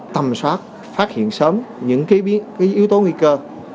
tầm soát phát hiện sớm những yếu tố nguy cơ